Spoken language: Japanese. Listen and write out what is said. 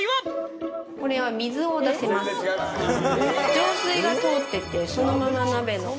浄水が通っててそのまま鍋の。